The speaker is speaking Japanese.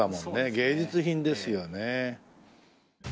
芸術品ですよね。